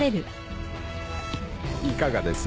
いかがです？